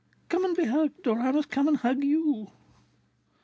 "Come and be hugged, or I must come and hug you!"